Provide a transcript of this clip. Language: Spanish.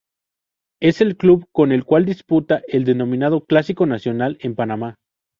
Es el club con el cual disputa el denominado "Clásico Nacional" en Panamá.